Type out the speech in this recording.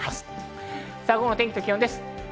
午後の天気と気温です。